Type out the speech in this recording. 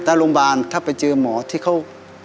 ถ้าโรงพยาบาลถ้าไปเจอหมอที่เขา